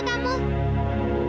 ya kamu benar